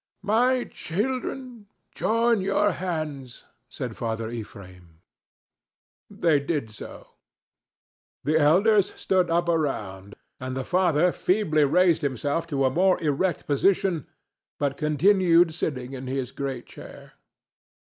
"My children, join your hands," said Father Ephraim. They did so. The elders stood up around, and the father feebly raised himself to a more erect position, but continued sitting in his great chair.